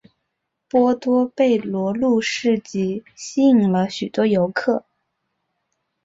波多贝罗路市集吸引了许多游客。